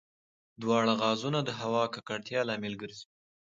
دواړه غازونه د هوا د ککړتیا لامل ګرځي.